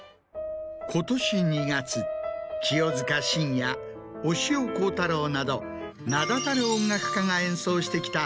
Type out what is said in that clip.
今年２月清塚信也押尾コータローなど名だたる音楽家が演奏してきた。